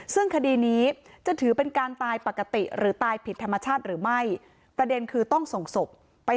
ซึ่งคดีนี้จะถือเป็นการตายปกติ